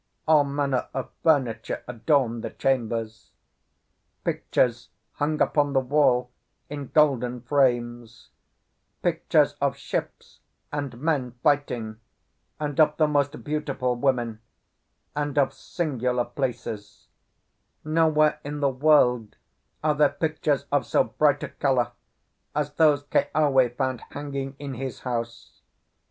All manner of furniture adorned the chambers. Pictures hung upon the wall in golden frames: pictures of ships, and men fighting, and of the most beautiful women, and of singular places; nowhere in the world are there pictures of so bright a colour as those Keawe found hanging in his house.